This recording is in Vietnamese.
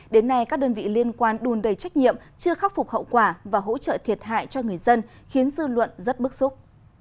đến nay các đơn vị liên quan đùn đầy trách nhiệm chưa khắc phục hậu quả và hỗ trợ thiệt hại cho người dân khiến dư luận rất bức xúc